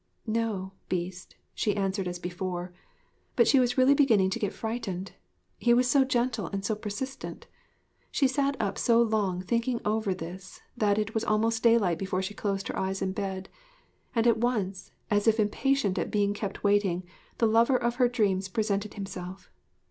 'No, Beast,' she answered as before; but she was really beginning to get frightened, he was so gentle and so persistent. She sat up so long thinking over this that it was almost daylight before she closed her eyes in bed; and at once, as if impatient at being kept waiting, the lover of her dreams presented himself.